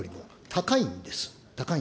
高いんです。